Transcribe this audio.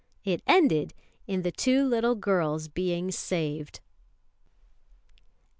It ended in the two little girls being saved.